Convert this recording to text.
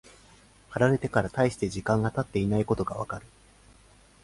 貼られてから大して時間が経っていないことがわかる。